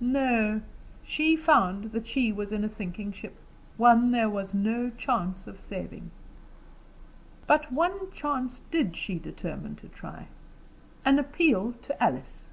No; she found that she was in a sinking ship; one there was no chance of saving. But one chance did she determine to try an appeal to Alice.